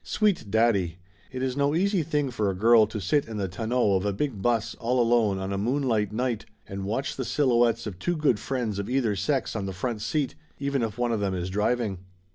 Sweet daddy! It is no easy thing for a girl to sit in the tonneau of a big bus all alone on a moonlight night and watch the silhouettes of two good friends of either sex on the front seat, even if one of them is driving.